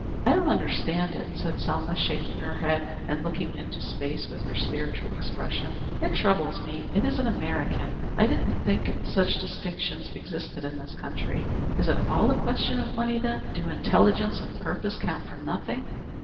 "I don't understand it," said Selma, shaking her head and looking into space with her spiritual expression. "It troubles me. It isn't American. I didn't think such distinctions existed in this country. Is it all a question of money, then? Do intelligence and er purpose count for nothing?"